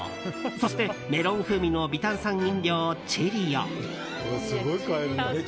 そして、メロン風味の微炭酸飲料チェリオ。